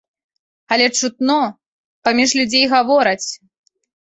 Але чутно, паміж людзей гавораць.